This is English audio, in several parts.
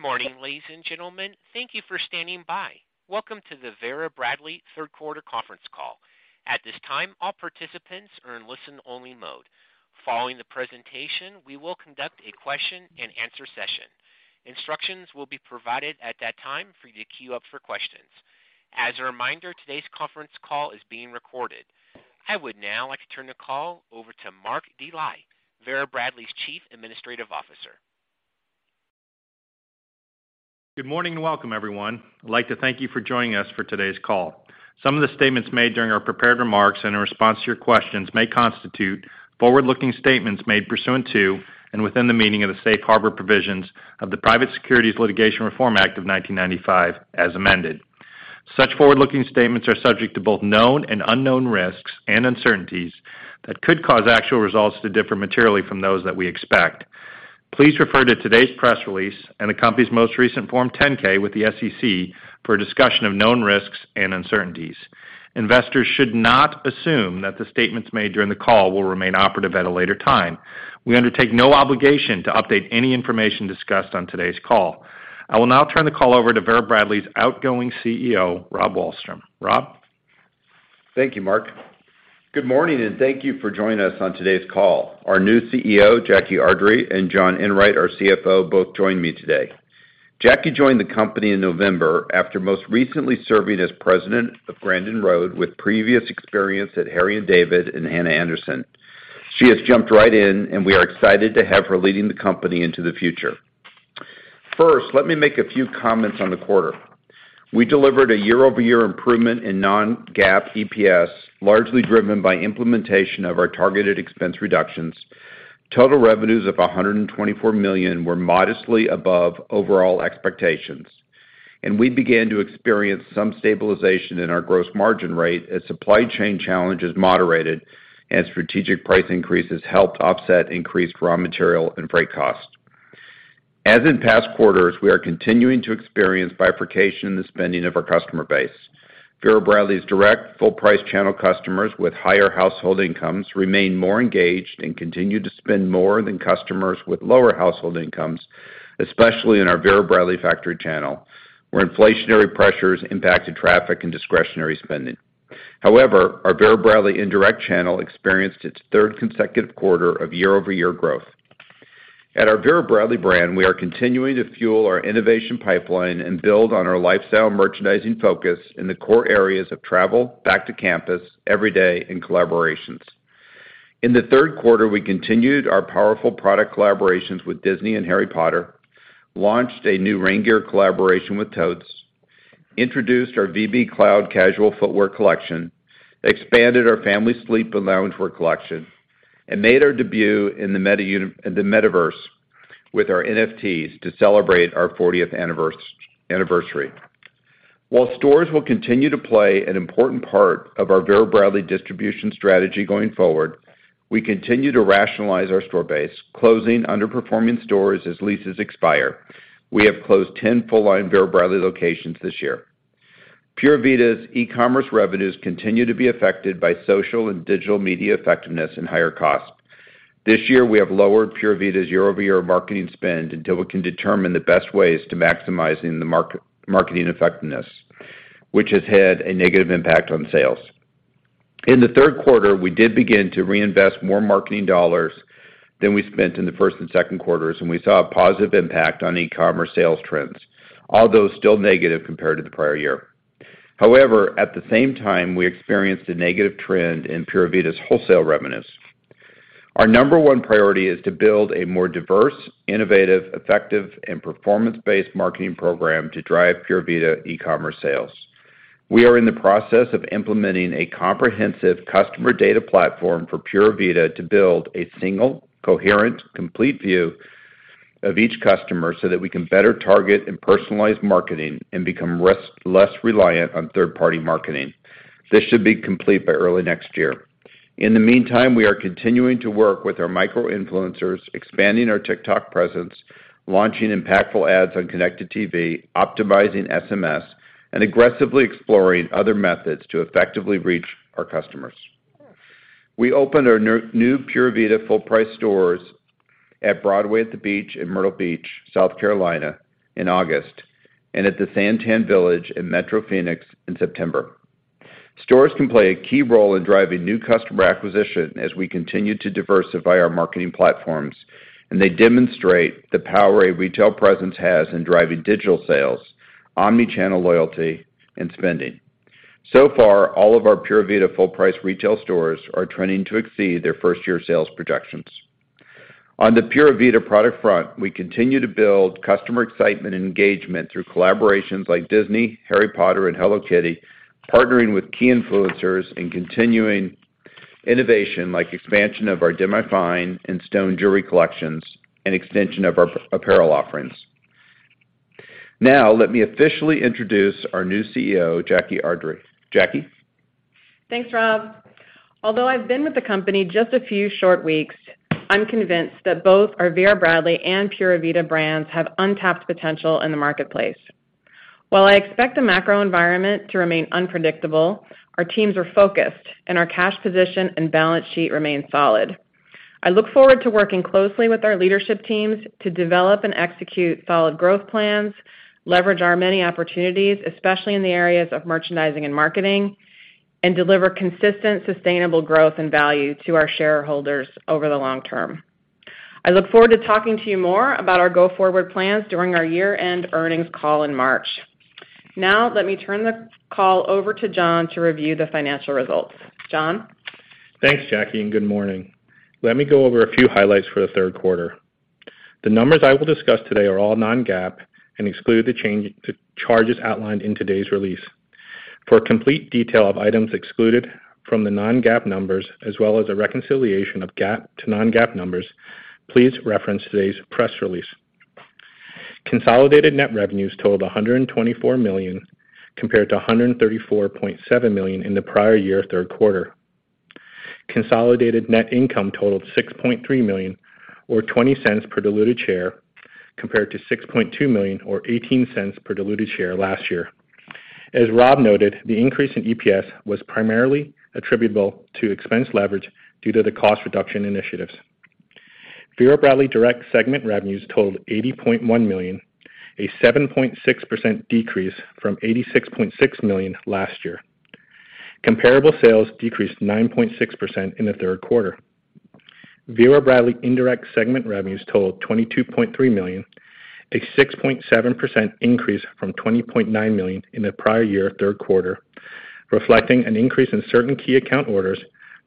Good morning, ladies and gentlemen. Thank you for standing by. Welcome to the Vera Bradley Q3 Conference Call. At this time, all participants are in listen-only mode. Following the presentation, we will conduct a question-and-answer session. Instructions will be provided at that time for you to queue up for questions. As a reminder, today's conference call is being recorded. I would now like to turn the call over to Mark Dely, Vera Bradley's Chief Administrative Officer. Good morning and welcome, everyone. I'd like to thank you for joining us for today's call. Some of the statements made during our prepared remarks and in response to your questions may constitute forward-looking statements made pursuant to and within the meaning of the Safe Harbor Provisions of the Private Securities Litigation Reform Act of 1995, as amended. Such forward-looking statements are subject to both known and unknown risks and uncertainties that could cause actual results to differ materially from those that we expect. Please refer to today's press release and the company's most recent Form 10-K with the SEC for a discussion of known risks and uncertainties. Investors should not assume that the statements made during the call will remain operative at a later time. We undertake no obligation to update any information discussed on today's call. I will now turn the call over to Vera Bradley's outgoing CEO, Rob Wallstrom. Rob? Thank you, Mark. Good morning, and thank you for joining us on today's call. Our new CEO, Jackie Ardrey, and John Enwright, our CFO, both join me today. Jackie joined the company in November after most recently serving as President of Grandin Road, with previous experience at Harry & David and Hanna Andersson. She has jumped right in, and we are excited to have her leading the company into the future. First, let me make a few comments on the quarter. We delivered a year-over-year improvement in non-GAAP EPS, largely driven by implementation of our targeted expense reductions. Total revenues of $124 million were modestly above overall expectations, and we began to experience some stabilization in our gross margin rate as supply chain challenges moderated and strategic price increases helped offset increased raw material and freight costs. As in past quarters, we are continuing to experience bifurcation in the spending of our customer base. Vera Bradley's direct full-price channel customers with higher household incomes remain more engaged and continue to spend more than customers with lower household incomes, especially in our Vera Bradley factory channel, where inflationary pressures impacted traffic and discretionary spending. However, our Vera Bradley indirect channel experienced its third consecutive quarter of year-over-year growth. At our Vera Bradley brand, we are continuing to fuel our innovation pipeline and build on our lifestyle merchandising focus in the core areas of travel, back to campus, every day, and collaborations. In the Q3, we continued our powerful product collaborations with Disney and Harry Potter, launched a new rain gear collaboration with Totes, introduced our VB Cloud casual footwear collection, expanded our family sleep and loungewear collection, and made our debut in the Metaverse with our NFTs to celebrate our 40th anniversary. While stores will continue to play an important part of our Vera Bradley distribution strategy going forward, we continue to rationalize our store base, closing underperforming stores as leases expire. We have closed 10 full-line Vera Bradley locations this year. Pura Vida's e-commerce revenues continue to be affected by social and digital media effectiveness and higher costs. This year, we have lowered Pura Vida's year-over-year marketing spend until we can determine the best ways to maximizing marketing effectiveness, which has had a negative impact on sales. In the Q3, we did begin to reinvest more marketing dollars than we spent in the first and Q2s. We saw a positive impact on e-commerce sales trends, although still negative compared to the prior year. However, at the same time, we experienced a negative trend in Pura Vida's wholesale revenues. Our number 1 priority is to build a more diverse, innovative, effective, and performance-based marketing program to drive Pura Vida e-commerce sales. We are in the process of implementing a comprehensive customer data platform for Pura Vida to build a single, coherent, complete view of each customer so that we can better target and personalize marketing and become less reliant on third-party marketing. This should be complete by early next year. In the meantime, we are continuing to work with our micro-influencers, expanding our TikTok presence, launching impactful ads on Connected TV, optimizing SMS, and aggressively exploring other methods to effectively reach our customers. We opened our new Pura Vida full-price stores at Broadway at the Beach in Myrtle Beach, South Carolina, in August and at the SanTan Village in Metro Phoenix in September. Stores can play a key role in driving new customer acquisition as we continue to diversify our marketing platforms, and they demonstrate the power a retail presence has in driving digital sales, omni-channel loyalty, and spending. So far, all of our Pura Vida full-price retail stores are trending to exceed their first-year sales projections. On the Pura Vida product front, we continue to build customer excitement and engagement through collaborations like Disney, Harry Potter, and Hello Kitty, partnering with key influencers and continuing innovation like expansion of our demi-fine and stone jewelry collections and extension of our apparel offerings. Let me officially introduce our new CEO, Jackie Ardrey. Jackie? Thanks, Rob. Although I've been with the company just a few short weeks, I'm convinced that both our Vera Bradley and Pura Vida brands have untapped potential in the marketplace. While I expect the macro environment to remain unpredictable, our teams are focused and our cash position and balance sheet remain solid. I look forward to working closely with our leadership teams to develop and execute solid growth plans, leverage our many opportunities, especially in the areas of merchandising and marketing, and deliver consistent sustainable growth and value to our shareholders over the long term. I look forward to talking to you more about our go-forward plans during our Year-End Earnings Call in March. Let me turn the call over to John to review the financial results. John? Thanks, Jackie. Good morning. Let me go over a few highlights for the Q3. The numbers I will discuss today are all non-GAAP and exclude the charges outlined in today's release. For a complete detail of items excluded from the non-GAAP numbers, as well as a reconciliation of GAAP to non-GAAP numbers, please reference today's press release. Consolidated net revenues totaled $124 million, compared to $134.7 million in the prior year Q3. Consolidated net income totaled $6.3 million or $0.20 per diluted share, compared to $6.2 million or $0.18 per diluted share last year. As Rob noted, the increase in EPS was primarily attributable to expense leverage due to the cost reduction initiatives. Vera Bradley direct segment revenues totaled $80.1 million, a 7.6% decrease from $86.6 million last year. Comparable sales decreased 9.6% in the Q3. Vera Bradley indirect segment revenues totaled $22.3 million, a 6.7% increase from $20.9 million in the prior year Q3, reflecting an increase in certain key account orders,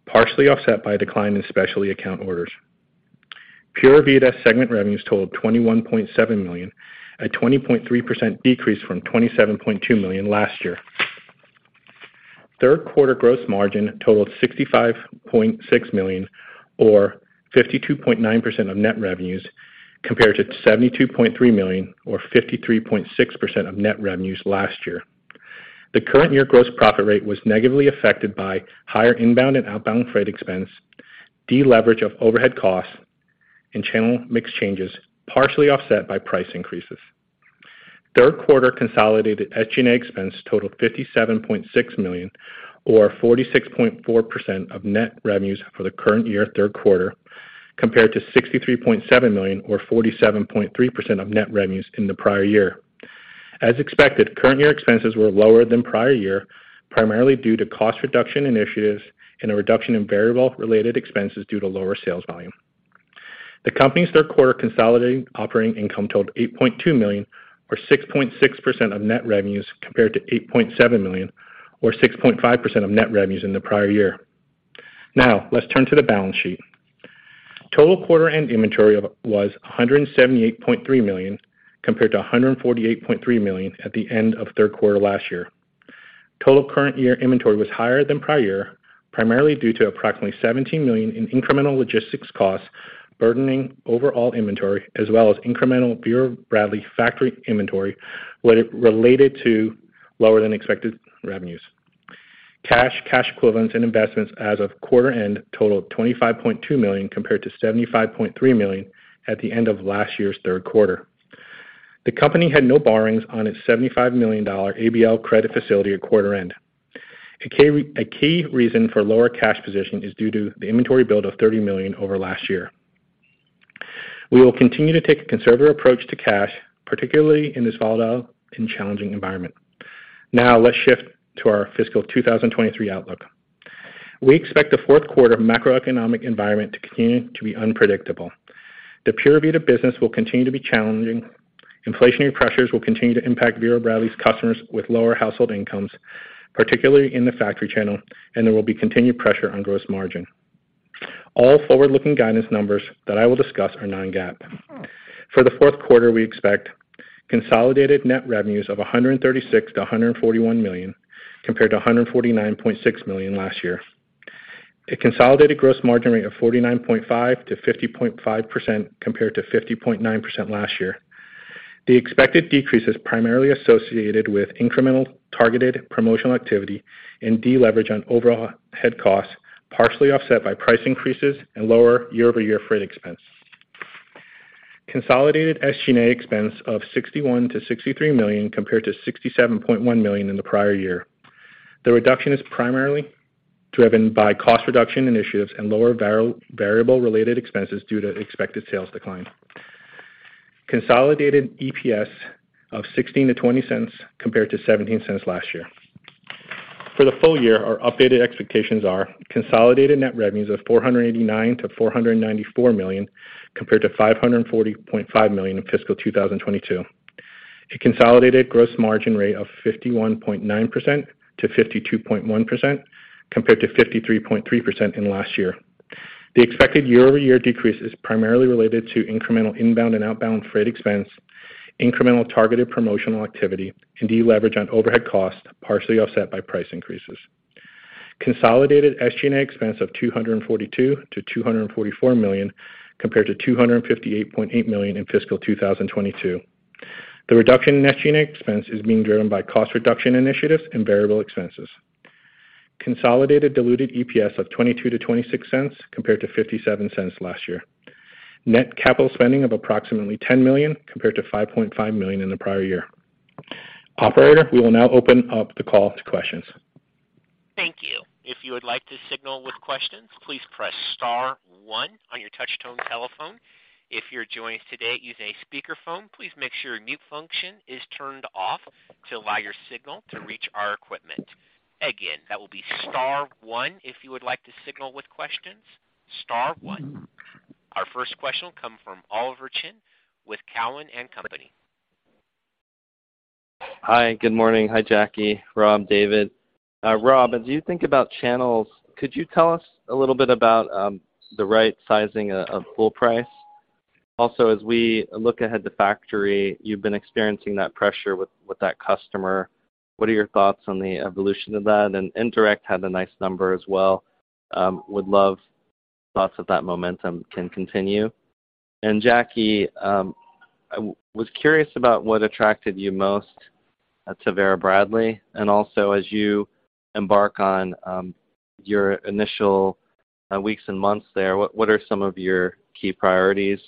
partially offset by a decline in specialty account orders. Pura Vida segment revenues totaled $21.7 million, a 20.3% decrease from $27.2 million last year. Q3 gross margin totaled $65.6 million or 52.9% of net revenues, compared to $72.3 million or 53.6% of net revenues last year. The current year gross profit rate was negatively affected by higher inbound and outbound freight expense, deleverage of overhead costs, and channel mix changes, partially offset by price increases. Q3 consolidated SG&A expense totaled $57.6 million, or 46.4% of net revenues for the current year Q3, compared to $63.7 million or 47.3% of net revenues in the prior year. As expected, current year expenses were lower than prior year, primarily due to cost reduction initiatives and a reduction in variable related expenses due to lower sales volume. The company's Q3 consolidated operating income totaled $8.2 million or 6.6% of net revenues, compared to $8.7 million or 6.5% of net revenues in the prior year. Let's turn to the balance sheet. Total quarter end inventory was $178.3 million, compared to $148.3 million at the end of Q3 last year. Total current year inventory was higher than prior year, primarily due to approximately $17 million in incremental logistics costs burdening overall inventory, as well as incremental Vera Bradley factory inventory related to lower than expected revenues. Cash, cash equivalents and investments as of quarter end totaled $25.2 million, compared to $75.3 million at the end of last year's Q3. The company had no borrowings on its $75 million ABL credit facility at quarter end. A key reason for lower cash position is due to the inventory build of $30 million over last year. We will continue to take a conservative approach to cash, particularly in this volatile and challenging environment. Let's shift to our Fiscal 2023 outlook. We expect the Q4 macroeconomic environment to continue to be unpredictable. The Pura Vida business will continue to be challenging. Inflationary pressures will continue to impact Vera Bradley's customers with lower household incomes, particularly in the factory channel, and there will be continued pressure on gross margin. All forward-looking guidance numbers that I will discuss are non-GAAP. For the Q4, we expect consolidated net revenues of $136 million-$141 million, compared to $149.6 million last year. A consolidated gross margin rate of 49.5%-50.5%, compared to 50.9% last year. The expected decrease is primarily associated with incremental targeted promotional activity and deleverage on overall head costs, partially offset by price increases and lower year-over-year freight expense. Consolidated SG&A expense of $61 million-$63 million compared to $67.1 million in the prior year. The reduction is primarily driven by cost reduction initiatives and lower variable related expenses due to expected sales decline. Consolidated EPS of $0.16-$0.20 compared to $0.17 last year. For the full year, our updated expectations are consolidated net revenues of $489 million-$494 million, compared to $540.5 million in Fiscal 2022. A consolidated gross margin rate of 51.9%-52.1% compared to 53.3% in last year. The expected year-over-year decrease is primarily related to incremental inbound and outbound freight expense, incremental targeted promotional activity, and deleverage on overhead costs, partially offset by price increases. Consolidated SG&A expense of $242 million-$244 million, compared to $258.8 million in fiscal 2022. The reduction in SG&A expense is being driven by cost reduction initiatives and variable expenses. Consolidated diluted EPS of $0.22-$0.26 compared to $0.57 last year. Net capital spending of approximately $10 million compared to $5.5 million in the prior year. Operator, we will now open up the call to questions. Thank you. If you would like to signal with questions, please press star one on your touchtone telephone. If you're joining us today using a speaker phone, please make sure mute function is turned off to allow your signal to reach our equipment. Again, that will be star one if you would like to signal with questions. Star one. Our first question will come from Oliver Chen with Cowen and Company. Hi, good morning. Hi, Jackie, Rob, David. Rob, as you think about channels, could you tell us a little bit about the right sizing of full price? As we look ahead to factory, you've been experiencing that pressure with that customer. What are your thoughts on the evolution of that? Indirect had a nice number as well. Would love thoughts if that momentum can continue. Jackie, I was curious about what attracted you most to Vera Bradley. As you embark on your initial weeks and months there, what are some of your key priorities?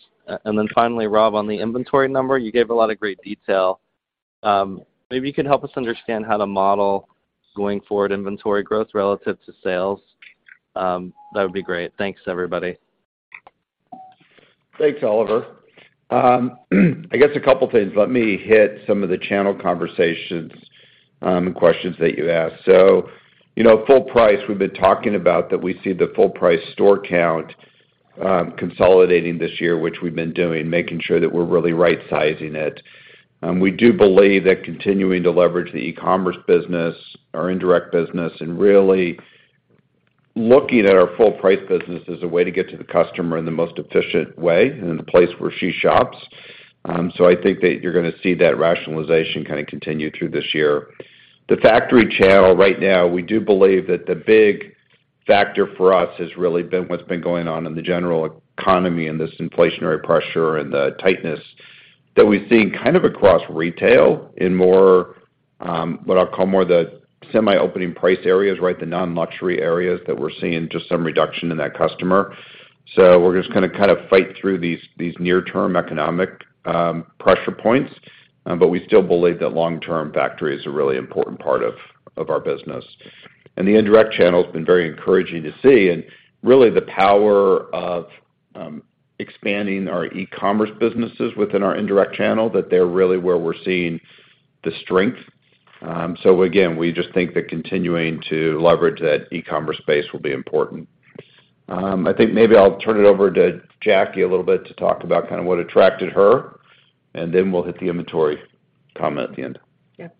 Finally, Rob, on the inventory number, you gave a lot of great detail. Maybe you could help us understand how to model going forward inventory growth relative to sales. That would be great. Thanks, everybody. Thanks, Oliver. I guess a couple of things. Let me hit some of the channel conversations, and questions that you asked. You know, full price, we've been talking about that we see the full price store count, consolidating this year, which we've been doing, making sure that we're really rightsizing it. We do believe that continuing to leverage the e-commerce business, our indirect business, and really looking at our full price business as a way to get to the customer in the most efficient way and in a place where she shops. I think that you're gonna see that rationalization kinda continue through this year. The factory channel right now, we do believe that the big factor for us has really been what's been going on in the general economy and this inflationary pressure and the tightness that we've seen kind of across retail in more, what I'll call more the semi-opening price areas, right? The non-luxury areas that we're seeing just some reduction in that customer. We're just gonna kinda fight through these near-term economic pressure points. We still believe that long-term factory is a really important part of our business. The indirect channel has been very encouraging to see, and really the power of expanding our e-commerce businesses within our indirect channel, that they're really where we're seeing the strength. Again, we just think that continuing to leverage that e-commerce space will be important. I think maybe I'll turn it over to Jackie a little bit to talk about kinda what attracted her, and then we'll hit the inventory comment at the end.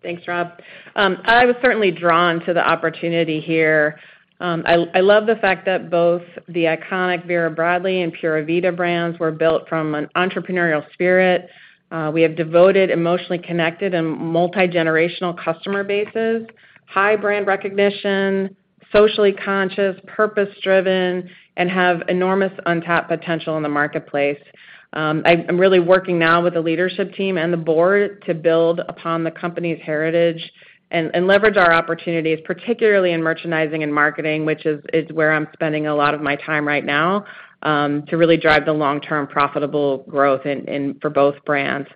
Thanks, Rob. I was certainly drawn to the opportunity here. I love the fact that both the iconic Vera Bradley and Pura Vida brands were built from an entrepreneurial spirit. We have devoted, emotionally connected, and multi-generational customer bases, high brand recognition, socially conscious, purpose-driven, and have enormous untapped potential in the marketplace. I'm really working now with the leadership team and the board to build upon the company's heritage and leverage our opportunities, particularly in merchandising and marketing, which is where I'm spending a lot of my time right now, to really drive the long-term profitable growth for both brands.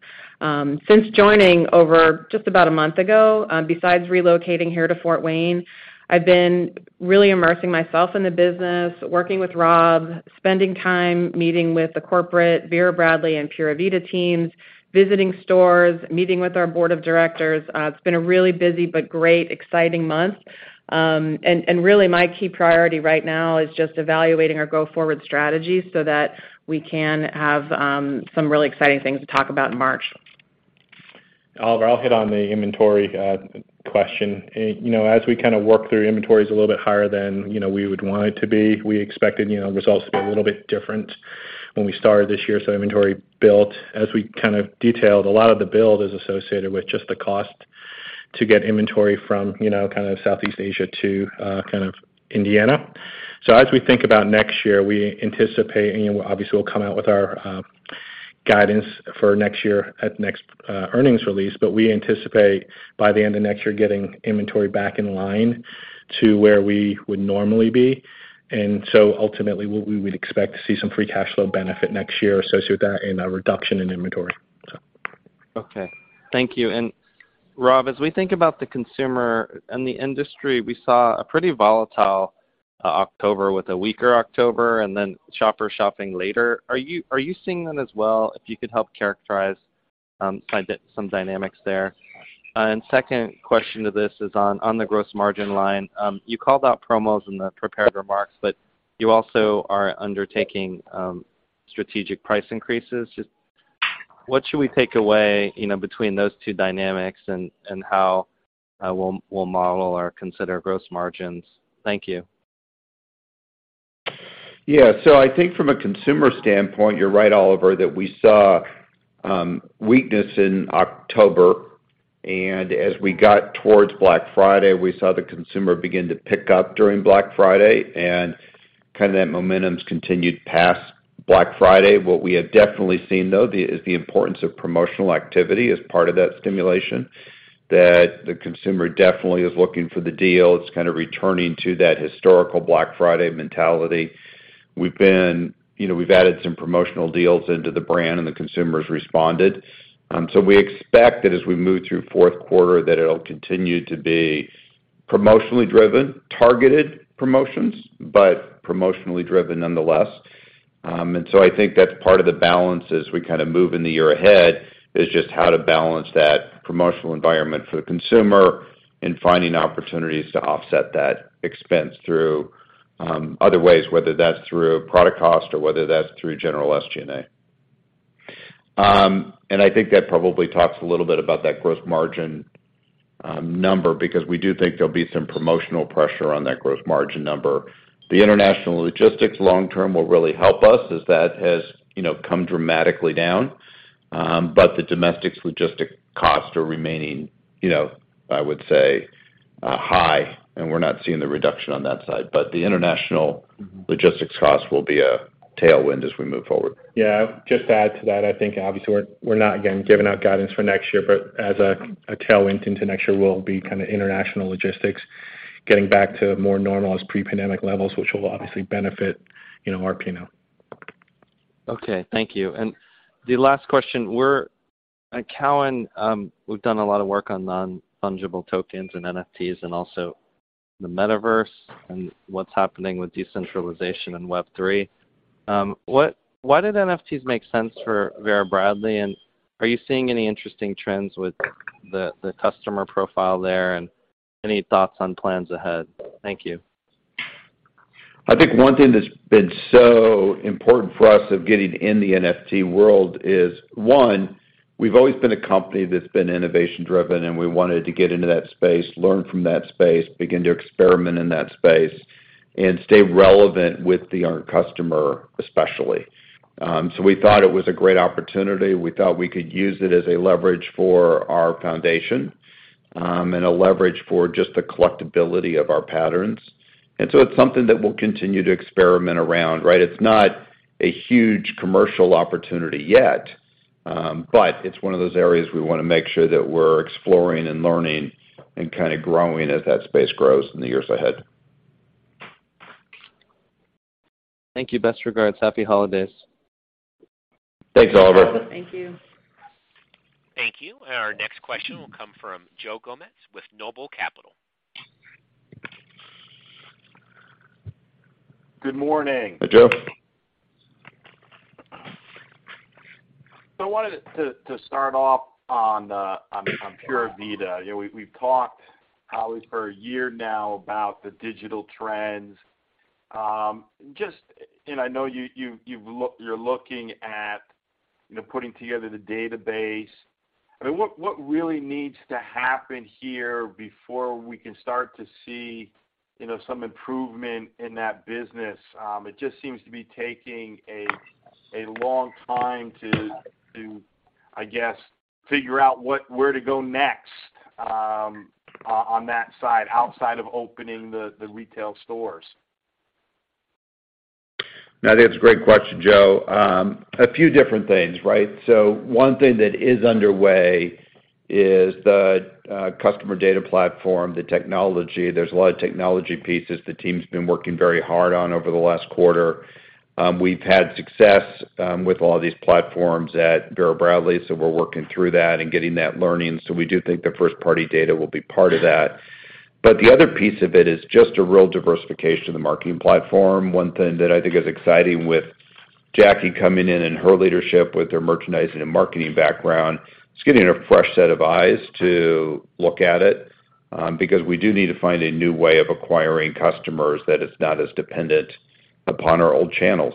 Since joining over just about a month ago, besides relocating here to Fort Wayne, I've been really immersing myself in the business, working with Rob, spending time meeting with the corporate Vera Bradley and Pura Vida teams, visiting stores, meeting with our Board of Directors. It's been a really busy but great, exciting month. Really, my key priority right now is just evaluating our go-forward strategy so that we can have some really exciting things to talk about in March. Oliver, I'll hit on the inventory question. You know, as we kinda work through inventories a little bit higher than, you know, we would want it to be, we expected, you know, results to be a little bit different when we started this year. Inventory built. As we kind of detailed, a lot of the build is associated with just the cost to get inventory from, you know, kinda Southeast Asia to kind of Indiana. As we think about next year, and obviously, we'll come out with our guidance for next year at next earnings release. We anticipate by the end of next year, getting inventory back in line to where we would normally be. Ultimately, we would expect to see some free cash flow benefit next year associated with that in a reduction in inventory. Okay. Thank you. Rob, as we think about the consumer and the industry, we saw a pretty volatile October with a weaker October and then shopper shopping later. Are you seeing that as well? If you could help characterize some dynamics there. Second question to this is on the gross margin line. You called out promos in the prepared remarks, but you also are undertaking strategic price increases. Just what should we take away, you know, between those two dynamics and how we'll model or consider gross margins? Thank you. I think from a consumer standpoint, you're right, Oliver, that we saw weakness in October. As we got towards Black Friday, we saw the consumer begin to pick up during Black Friday. Kind of that momentum's continued past Black Friday. What we have definitely seen, though, is the importance of promotional activity as part of that stimulation, that the consumer definitely is looking for the deals, kind of returning to that historical Black Friday mentality. You know, we've added some promotional deals into the brand, and the consumers responded. We expect that as we move through Q4, that it'll continue to be promotionally driven, targeted promotions, but promotionally driven nonetheless. I think that's part of the balance as we kinda move in the year ahead, is just how to balance that promotional environment for the consumer and finding opportunities to offset that expense through other ways, whether that's through product cost or whether that's through general SG&A. I think that probably talks a little bit about that gross margin number because we do think there'll be some promotional pressure on that gross margin number. The international logistics long term will really help us as that has, you know, come dramatically down. The domestics logistic costs are remaining, you know, I would say, high, and we're not seeing the reduction on that side. Mm-hmm. But the international logistics costs will be a tailwind as we move forward. Just to add to that, I think obviously we're not, again, giving out guidance for next year, but as a tailwind into next year will be kinda international logistics getting back to more normal as pre-pandemic levels, which will obviously benefit, you know, our P&L. The last question. At Cowen, we've done a lot of work on non-fungible tokens and NFTs and also the Metaverse and what's happening with decentralization and Web3. Why did NFTs make sense for Vera Bradley, and are you seeing any interesting trends with the customer profile there, and any thoughts on plans ahead? Thank you. I think one thing that's been so important for us of getting in the NFT world is, one, we've always been a company that's been innovation driven, and we wanted to get into that space, learn from that space, begin to experiment in that space and stay relevant with our customer, especially. We thought it was a great opportunity. We thought we could use it as a leverage for our foundation, and a leverage for just the collectibility of our patterns. It's something that we'll continue to experiment around, right? It's not a huge commercial opportunity yet, but it's one of those areas we wanna make sure that we're exploring and learning and kinda growing as that space grows in the years ahead. Thank you. Best regards. Happy holidays. Thanks, Oliver. Thank you. Thank you. Our next question will come from Joe Gomes with Noble Capital. Good morning. Hey, Joe. I wanted to start off on Pura Vida. You know, we've talked probably for a year now about the digital trends. I know you're looking at, you know, putting together the database. I mean, what really needs to happen here before we can start to see, you know, some improvement in that business? It just seems to be taking a long time to, I guess, figure out where to go next on that side, outside of opening the retail stores. I think that's a great question, Joe. A few different things, right? One thing that is underway is the customer data platform, the technology. There's a lot of technology pieces the team's been working very hard on over the last quarter. We've had success with a lot of these platforms at Vera Bradley, so we're working through that and getting that learning. We do think the first party data will be part of that. The other piece of it is just a real diversification of the marketing platform. One thing that I think is exciting with Jackie coming in and her leadership with her merchandising and marketing background, just getting a fresh set of eyes to look at it, because we do need to find a new way of acquiring customers that is not as dependent upon our old channels.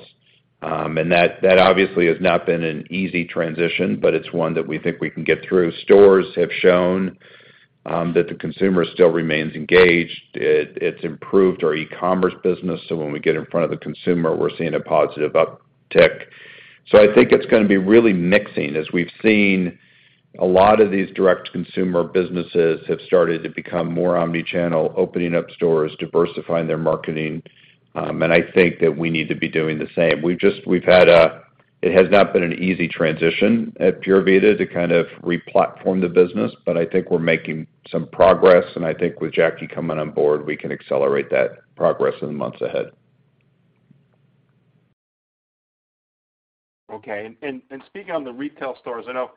That, that obviously has not been an easy transition, but it's one that we think we can get through. Stores have shown that the consumer still remains engaged. It's improved our e-commerce business, so when we get in front of the consumer, we're seeing a positive uptick. I think it's gonna be really mixing. As we've seen, a lot of these direct consumer businesses have started to become more omni-channel, opening up stores, diversifying their marketing, and I think that we need to be doing the same. It has not been an easy transition at Pura Vida to kind of re-platform the business, but I think we're making some progress, and I think with Jackie coming on board, we can accelerate that progress in the months ahead. Okay. Speaking on the retail stores, I know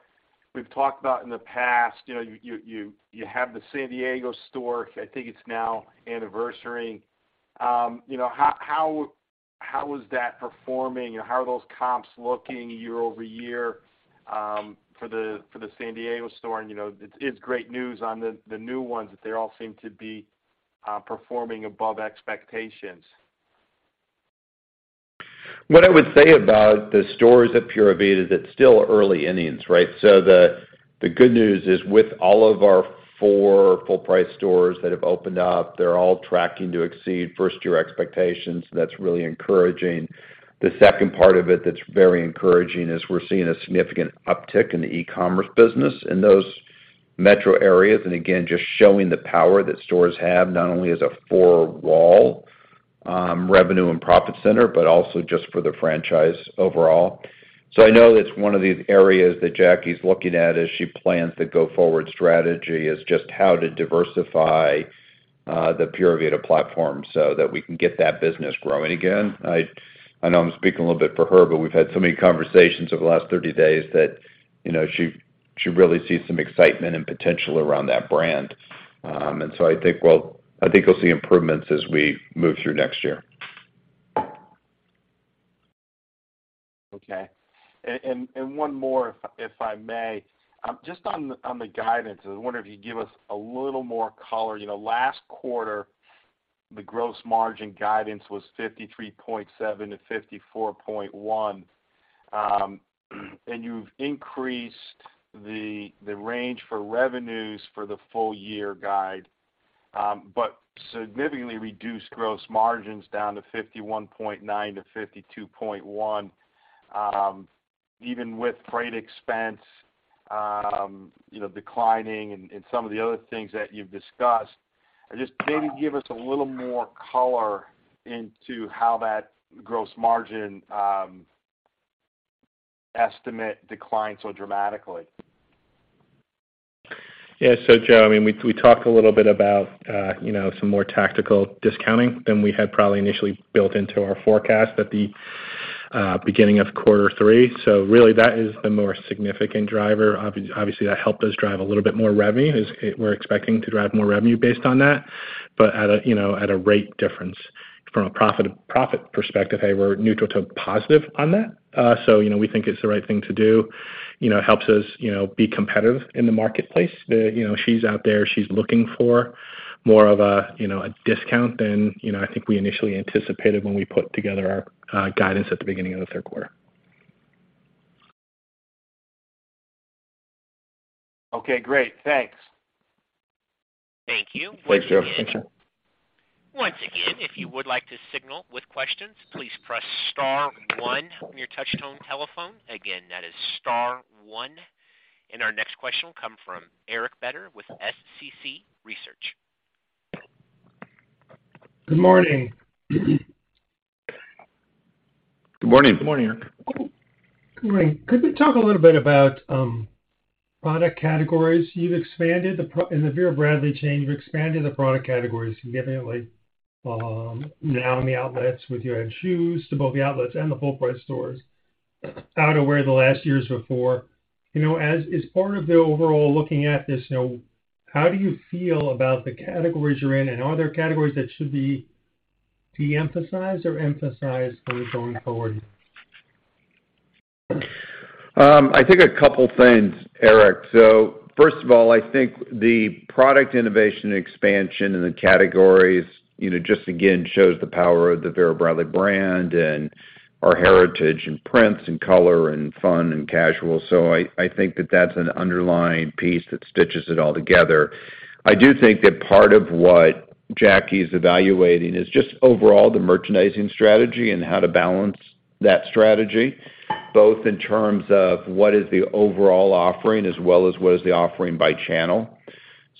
we've talked about in the past, you know, you have the San Diego store, I think it's now anniversarying. you know, how is that performing? How are those comps looking year-over-year for the San Diego store, you know, it's great news on the new ones, that they all seem to be performing above expectations? What I would say about the stores at Pura Vida is it's still early innings, right? The good news is, with all of our four full price stores that have opened up, they're all tracking to exceed first-year expectations. That's really encouraging. The second part of it that's very encouraging is we're seeing a significant uptick in the e-commerce business in those metro areas. Again, just showing the power that stores have, not only as a four-wall revenue and profit center, but also just for the franchise overall. I know that's one of the areas that Jackie's looking at as she plans the go-forward strategy, is just how to diversify the Pura Vida platform so that we can get that business growing again. I know I'm speaking a little bit for her, but we've had so many conversations over the last 30 days that, you know, she really sees some excitement and potential around that brand. I think we'll see improvements as we move through next year. Okay. And, and, one more, if I may. Just on the guidance, I was wondering if you'd give us a little more color. You know, last quarter, the gross margin guidance was 53.7%-54.1%. And you've increased the range for revenues for the full year guide, but significantly reduced gross margins down to 51.9%-52.1%, even with freight expense, you know, declining and some of the other things that you've discussed. Just maybe give us a little more color into how that gross margin estimate declined so dramatically. Yeah. Joe, I mean, we talked a little bit about, you know, some more tactical discounting than we had probably initially built into our forecast at the beginning of 3Q. Really that is the more significant driver. Obviously, that helped us drive a little bit more revenue, as we're expecting to drive more revenue based on that. At a, you know, at a rate difference from a profit perspective, hey, we're neutral to positive on that. You know, we think it's the right thing to do, you know, helps us, you know, be competitive in the marketplace. You know, she's out there, she's looking for more of a, you know, a discount than, you know, I think we initially anticipated when we put together our guidance at the beginning of the Q3. Okay, great. Thanks. Thank you. Thanks, Joe. Appreciate it. Once again, if you would like to signal with questions, please press star one on your touch tone telephone. Again, that is star one. Our next question will come from Eric Beder with SCC Research. Good morning. Good morning. Good morning, Eric. Good morning. Could we talk a little bit about product categories? You've expanded the in the Vera Bradley chain, you've expanded the product categories, evidently, now in the outlets with you add shoes to both the outlets and the full price stores out of where the last years before. You know, as is part of the overall looking at this, you know, how do you feel about the categories you're in? Are there categories that should be de-emphasized or emphasized going forward? I think a couple things, Eric. First of all, I think the product innovation expansion in the categories, you know, just again shows the power of the Vera Bradley brand and our heritage in prints and color and fun and casual. I think that that's an underlying piece that stitches it all together. I do think that part of what Jackie's evaluating is just overall the merchandising strategy and how to balance that strategy, both in terms of what is the overall offering as well as what is the offering by channel.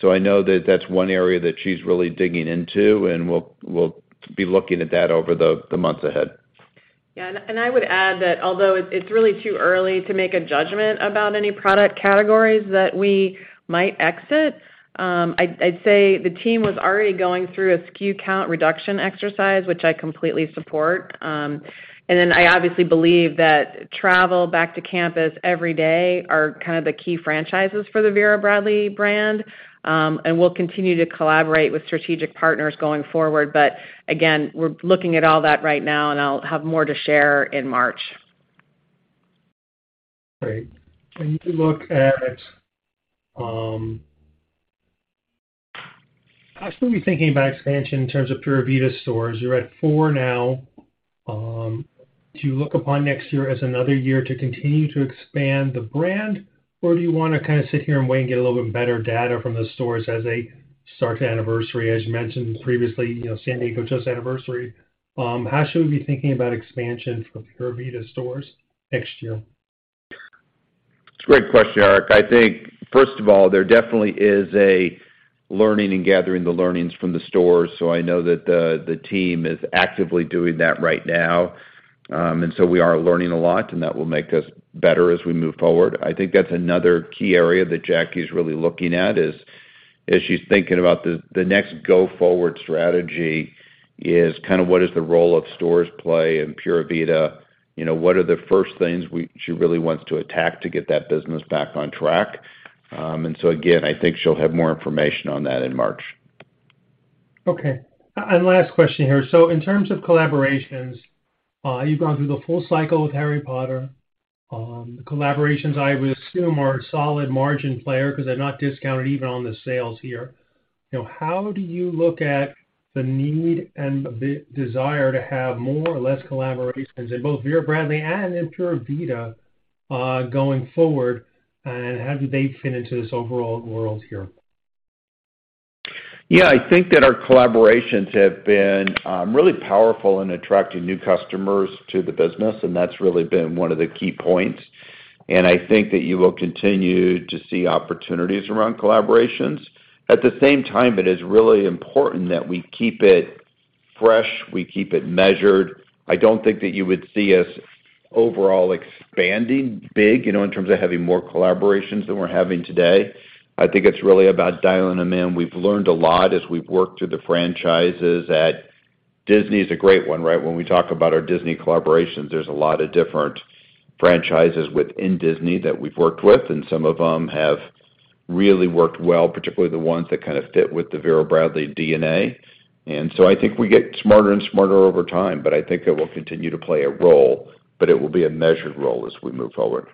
I know that that's one area that she's really digging into, and we'll be looking at that over the months ahead. Yeah. I would add that although it's really too early to make a judgment about any product categories that we might exit, I'd say the team was already going through a SKU count reduction exercise, which I completely support. I obviously believe that travel back to campus every day are kind of the key franchises for the Vera Bradley brand. We'll continue to collaborate with strategic partners going forward. Again, we're looking at all that right now, and I'll have more to share in March. Great. When you look at, how should we be thinking about expansion in terms of Pura Vida stores? You're at four now. Do you look upon next year as another year to continue to expand the brand, or do you wanna kind of sit here and wait and get a little bit better data from the stores as they start to anniversary? As you mentioned previously, you know, San Diego just anniversary. How should we be thinking about expansion for Pura Vida stores next year? It's a great question, Eric. I think, first of all, there definitely is a learning and gathering the learnings from the stores. I know that the team is actively doing that right now. We are learning a lot, and that will make us better as we move forward. I think that's another key area that Jackie's really looking at is, as she's thinking about the next go-forward strategy is kind of what is the role of stores play in Pura Vida? You know, what are the first things she really wants to attack to get that business back on track? Again, I think she'll have more information on that in March. Last question here. In terms of collaborations, you've gone through the full cycle with Harry Potter. The collaborations I would assume are a solid margin player because they're not discounted even on the sales here. You know, how do you look at the need and the desire to have more or less collaborations in both Vera Bradley and in Pura Vida, going forward? How do they fit into this overall world here? Yeah, I think that our collaborations have been really powerful in attracting new customers to the business, and that's really been one of the key points. I think that you will continue to see opportunities around collaborations. At the same time, it is really important that we keep it fresh, we keep it measured. I don't think that you would see us overall expanding big, you know, in terms of having more collaborations than we're having today. I think it's really about dialing them in. We've learned a lot as we've worked through the franchises. Disney is a great one, right? When we talk about our Disney collaborations, there's a lot of different franchises within Disney that we've worked with, and some of them have really worked well, particularly the ones that kind of fit with the Vera Bradley DNA. I think we get smarter and smarter over time, but I think it will continue to play a role, but it will be a measured role as we move forward.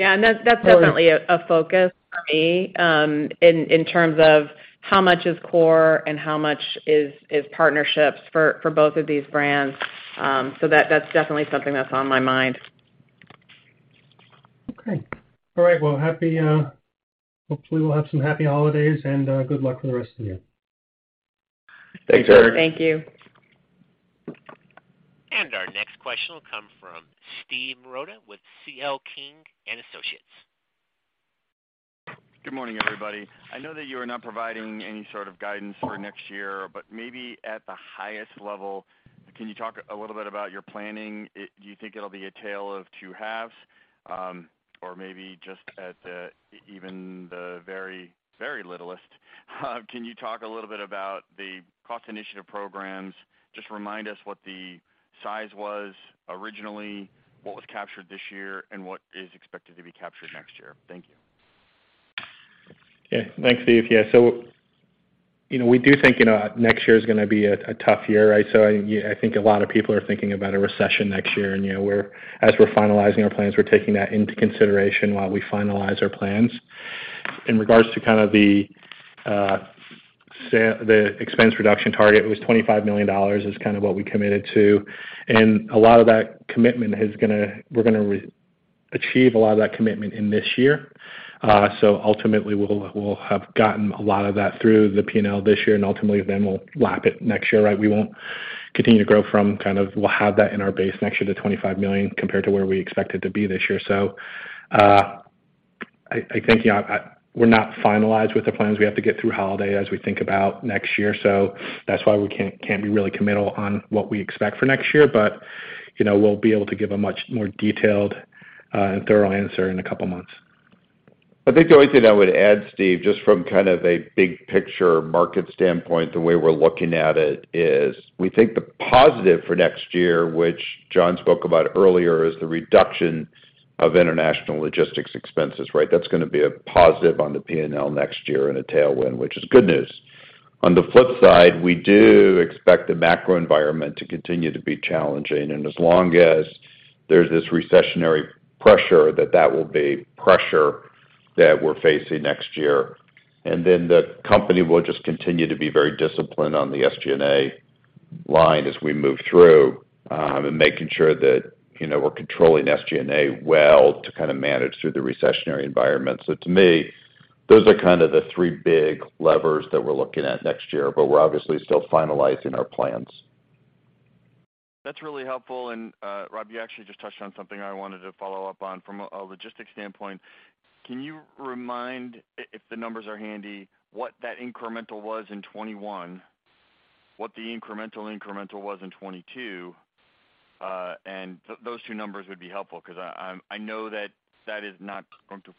Yeah. That's definitely a focus for me, in terms of how much is core and how much is partnerships for both of these brands. That's definitely something that's on my mind. Okay. All right. Well, happy, hopefully we'll have some happy holidays and good luck for the rest of the year. Thanks, Eric. Thank you. Our next question will come from Steve Marotta with CL King & Associates. Good morning, everybody. I know that you are not providing any sort of guidance for next year. Maybe at the highest level, can you talk a little bit about your planning? Do you think it'll be a tale of two halves? Maybe just even the very, very littlest, can you talk a little bit about the cost initiative programs? Just remind us what the size was originally, what was captured this year, and what is expected to be captured next year. Thank you. Yeah. Thanks, Steve. Yeah. You know, we do think, you know, next year is gonna be a tough year, right? I think a lot of people are thinking about a recession next year. You know, as we're finalizing our plans, we're taking that into consideration while we finalize our plans. In regards to kind of the expense reduction target, it was $25 million is kind of what we committed to. A lot of that commitment, we're gonna re-achieve a lot of that commitment in this year. Ultimately, we'll have gotten a lot of that through the P&L this year, and ultimately then we'll lap it next year, right? We won't continue to grow from kind of... We'll have that in our base next year, the $25 million, compared to where we expect it to be this year. I think, yeah, we're not finalized with the plans. We have to get through holiday as we think about next year. That's why we can't be really committal on what we expect for next year. You know, we'll be able to give a much more detailed, thorough answer in a couple of months. I think the only thing I would add, Steve, just from kind of a big picture market standpoint, the way we're looking at it is we think the positive for next year, which John spoke about earlier, is the reduction of international logistics expenses, right? That's gonna be a positive on the P&L next year and a tailwind, which is good news. On the flip side, we do expect the macro environment to continue to be challenging, and as long as there's this recessionary pressure, that will be pressure that we're facing next year. The company will just continue to be very disciplined on the SG&A line as we move through, and making sure that, you know, we're controlling SG&A well to kind of manage through the recessionary environment. To me, those are kind of the three big levers that we're looking at next year, but we're obviously still finalizing our plans. That's really helpful. Rob, you actually just touched on something I wanted to follow up on. From a logistics standpoint, can you remind, if the numbers are handy, what that incremental was in '21, what the incremental was in '22, those two numbers would be helpful because I know that that is not going to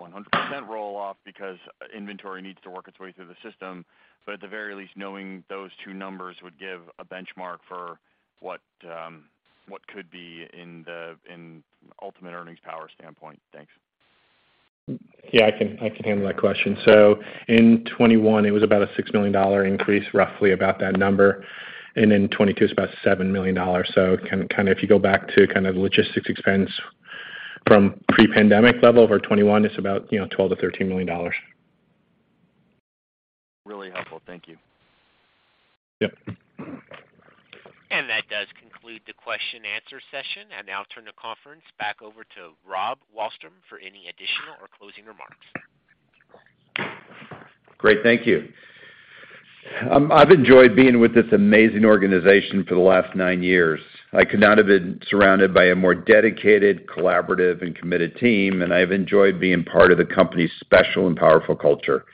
100% roll off because inventory needs to work its way through the system. At the very least, knowing those two numbers would give a benchmark for what could be in ultimate earnings power standpoint. Thanks. Yeah, I can handle that question. In 2021, it was about a $6 million increase, roughly about that number. In 2022, it's about $7 million. Kind of if you go back to kind of logistics expense from pre-pandemic level for 2021, it's about, you know, $12 million-$13 million. Really helpful. Thank you. Yep. That does conclude the question-answer session. I now turn the conference back over to Rob Wallstrom for any additional or closing remarks. Great. Thank you. I've enjoyed being with this amazing organization for the last nine years. I could not have been surrounded by a more dedicated, collaborative, and committed team, I've enjoyed being part of the company's special and powerful culture.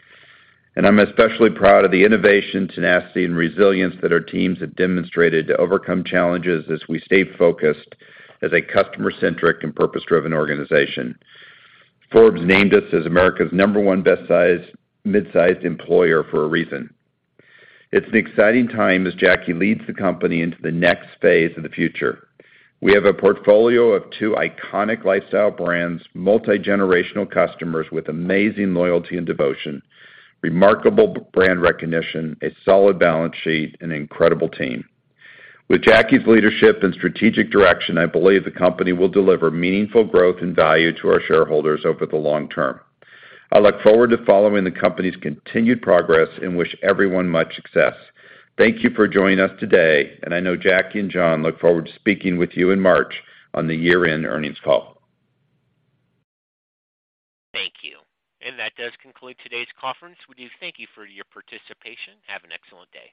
I'm especially proud of the innovation, tenacity, and resilience that our teams have demonstrated to overcome challenges as we stay focused as a customer-centric and purpose-driven organization. Forbes named us as America's number one best mid-sized employer for a reason. It's an exciting time as Jackie leads the company into the next phase of the future. We have a portfolio of two iconic lifestyle brands, multi-generational customers with amazing loyalty and devotion, remarkable brand recognition, a solid balance sheet, an incredible team. With Jackie's leadership and strategic direction, I believe the company will deliver meaningful growth and value to our shareholders over the long term. I look forward to following the company's continued progress and wish everyone much success. Thank you for joining us today, and I know Jackie and John look forward to speaking with you in March on the Year-End Earnings Call. Thank you. That does conclude today's conference. We do thank you for your participation. Have an excellent day.